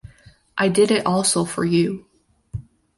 I did it also for you.